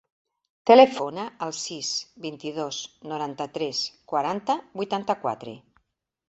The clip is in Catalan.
Telefona al sis, vint-i-dos, noranta-tres, quaranta, vuitanta-quatre.